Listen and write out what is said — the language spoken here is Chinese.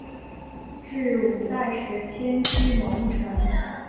至五代时迁居蒙城。